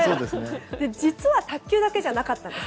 実は卓球だけじゃなかったんです。